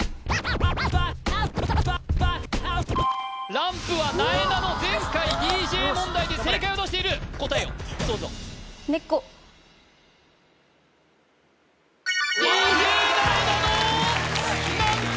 ランプはなえなの前回ＤＪ問題で正解を出している答えをどうぞＤＪなえなの！